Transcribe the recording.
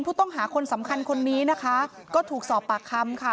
ผู้ต้องหาคนสำคัญคนนี้นะคะก็ถูกสอบปากคำค่ะ